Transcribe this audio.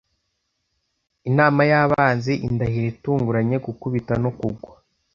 Inama y'abanzi, indahiro itunguranye, gukubita no kugwa,